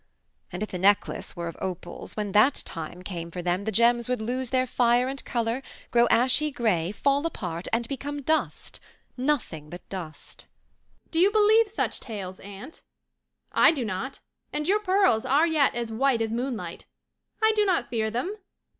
And if the necklace were of opals, when that time came for them the gems would lose their fire and colour, grow ashy grey, fall apart and become dust, nothing but dust." "Do you believe such tales, aunt? I do not. And your pearls are yet as white as moonlight. I do not fear them.